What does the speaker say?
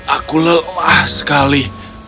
aku lelah sekali